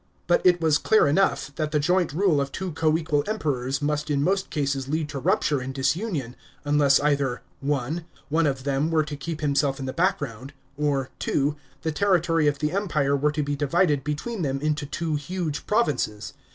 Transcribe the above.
But it was clear enough that the joint rule of two coequal Emperors must in most cases lead to rupture and disunion, unless either (1) one 161 180 A.D. TWO AUGUSTI. 537 of them were to keep himself in the background, or (2) the territory of the Empire wt re to be divided between them into two huge provinces.